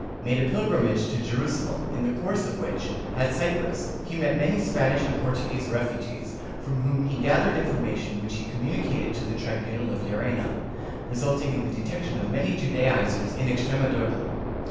236 JEWS [Book VIII a pilgrimage to Jerusalem, in the course of which, at Cyprus, he met many Spanish and Portuguese refugees, from whom he gathered information which he communicated to the tribunal of Llerena, resulting in the detection of many Judaizers in Extre madura.